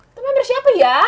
itu member siapa ya